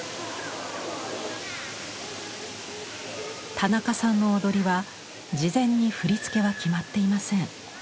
田中さんの踊りは事前に振り付けは決まっていません。